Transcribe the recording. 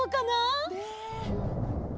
ねえ。